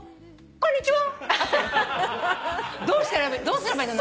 「こんにちは」